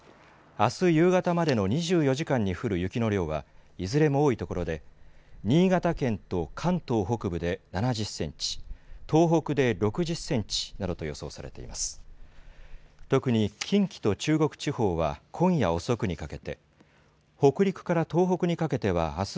あす夕方までの２４時間に降る雪の量はいずれも多いところで新潟県と関東北部で７０センチ、東北で６０センチなどと予想されています。